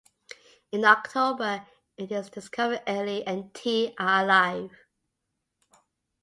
In October, it is discovered Eli and Tea are alive.